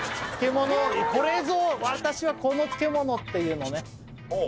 漬物これぞ私はこの漬物っていうのね